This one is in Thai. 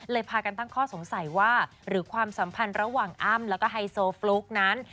พากันตั้งข้อสงสัยว่าหรือความสัมพันธ์ระหว่างอ้ำแล้วก็ไฮโซฟลุ๊กนั้น